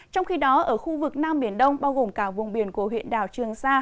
trong khi đó ở khu vực nam biển đông bao gồm cả vùng biển của huyện đảo trường sa